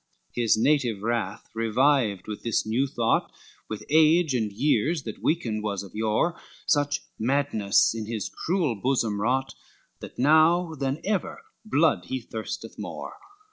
LXXXV His native wrath revived with this new thought, With age and years that weakened was of yore, Such madness in his cruel bosom wrought, That now than ever blood he thirsteth more?